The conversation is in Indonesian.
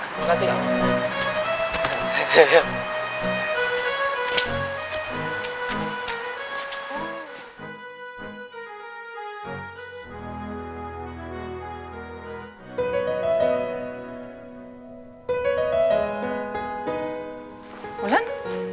terima kasih ya pak